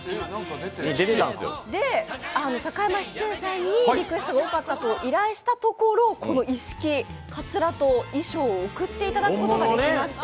高山質店さんにリクエストが多かったということで依頼したところこの一式、かつらと衣装を送っていただくことができまして。